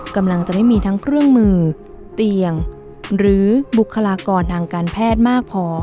กำลังจะไม่มีทั้งเครื่องมือเตียงหรือบุคลากรทางการแพทย์มากพอ